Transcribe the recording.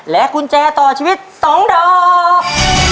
และกุญแจต่อชีวิตสองดอก